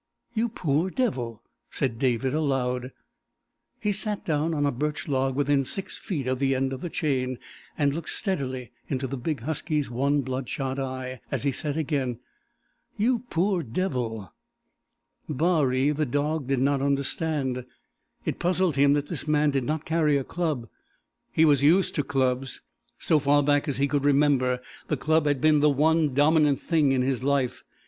"You poor devil!" said David aloud. He sat down on a birch log within six feet of the end of the chain, and looked steadily into the big husky's one bloodshot eye as he said again: "You poor devil!" Baree, the dog, did not understand. It puzzled him that this man did not carry a club. He was used to clubs. So far back as he could remember the club had been the one dominant thing in his life.